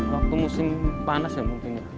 waktu musim panas ya mungkin ya